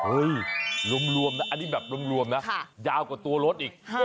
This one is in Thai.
รวมนะอันนี้แบบรวมนะยาวกว่าตัวรถอีก